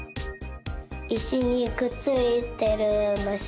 いしにくっついてるむし。